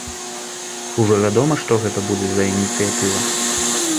Ужо вядома, што гэта будзе за ініцыятыва?